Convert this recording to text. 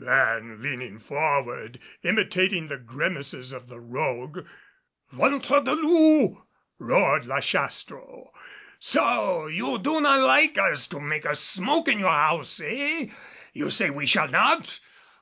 then, leaning forward, imitating the grimaces of the rogue. "Ventre de loup!" roared La Chastro. "So! you do not like us to make a smoke in your house eh? You say we shall not!